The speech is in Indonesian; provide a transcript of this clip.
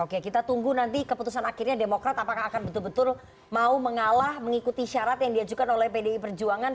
oke kita tunggu nanti keputusan akhirnya demokrat apakah akan betul betul mau mengalah mengikuti syarat yang diajukan oleh pdi perjuangan